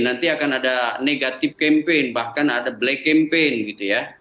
nanti akan ada negatif campaign bahkan ada black campaign gitu ya